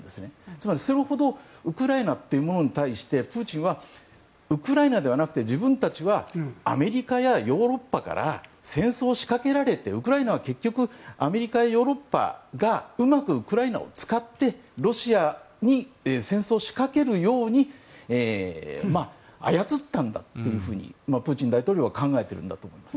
つまり、それほどウクライナというものに対してプーチンはウクライナではなくて自分たちはアメリカやヨーロッパから戦争を仕掛けられてウクライナは結局、アメリカやヨーロッパがうまくウクライナを使ってロシアに戦争を仕掛けるように操ったんだとプーチン大統領は考えているんだと思います。